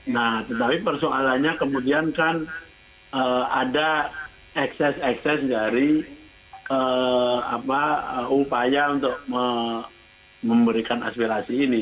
nah tetapi persoalannya kemudian kan ada ekses ekses dari upaya untuk memberikan aspirasi ini